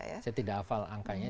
saya tidak hafal angkanya